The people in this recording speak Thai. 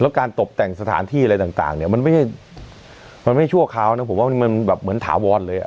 แล้วการตบแต่งสถานที่อะไรต่างเนี่ยมันไม่ใช่มันไม่ชั่วคราวนะผมว่ามันแบบเหมือนถาวรเลยอ่ะ